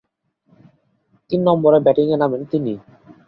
তিন নম্বরে ব্যাটিংয়ে নামেন তিনি।